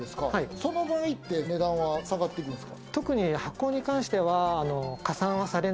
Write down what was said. その場合、値段は下がっていくんですか？